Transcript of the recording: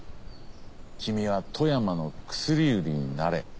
君は富山の薬売りになれ。